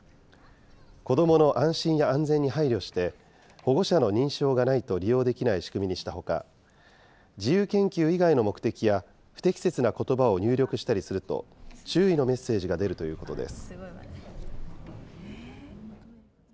子どもの安心や安全に配慮して、保護者の認証がないと利用できない仕組みにしたほか、自由研究以外の目的や不適切なことばを入力したりすると、注意のメッセージが出るということです。